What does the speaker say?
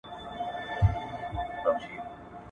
چي کلی په نامه لري، يو خوى تر نورو ښه لري.